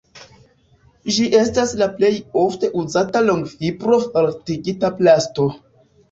Ĝi estas la plej ofte uzata longfibro-fortigita plasto.